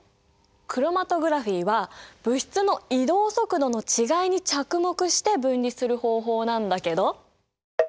クロマトグラフィーは物質の移動速度の違いに着目して分離する方法なんだけど。